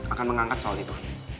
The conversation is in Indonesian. akan mengangkat soal itu